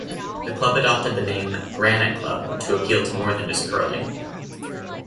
The club adopted the name "Granite Club" to appeal to more than just curling.